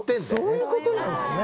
そういう事なんですね。